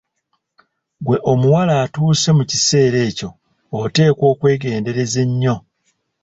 Ggwe omuwala atuuse mu kiseera ekyo oteekwa okwegendereza ennyo.